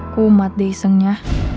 kumat deh isengnya